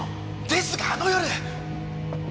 ですがあの夜。